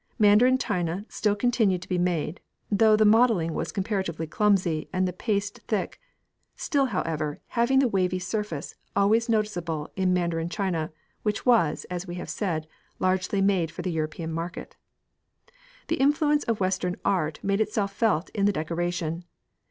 Mandarin china still continued to be made, though the modelling was comparatively clumsy and the paste thick, still, however, having the wavy surface always noticeable in Mandarin china, which was, as we have said, largely made for the European market. The influence of Western art made itself felt in the decoration.